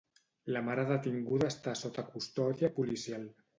La mare detinguda està sota custòdia policial.